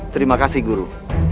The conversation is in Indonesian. terima kasih guru